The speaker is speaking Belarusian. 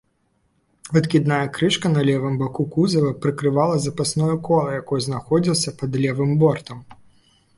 Адкідная крышка на левым баку кузава прыкрывала запасное кола, якое знаходзілася пад левым бортам.